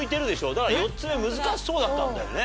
だから４つ目難しそうだったんだよね。